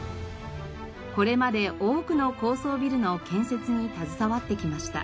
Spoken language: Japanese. これまで多くの高層ビルの建設に携わってきました。